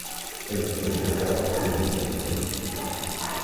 এই লিখন পদ্ধতি কে বা কারা আবিষ্কার করেছে এটা নিয়ে বিতর্ক রয়েছে।